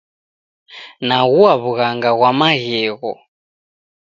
Naghua w'ughanga ghwa maghegho